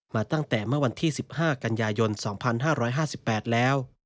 มาตั้งแต่เมื่อวันที่๑๕กันยายน๒๕๕๘แล้ว